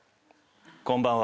「こんばんは」。